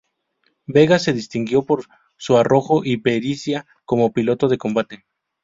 Vega se distinguió por su arrojo y pericia como piloto de combate.